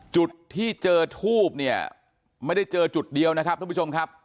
จุดที่เจอทูบเนี่ยไม่ได้เจอจุดเดียวนะครับทุกผู้ชมครับ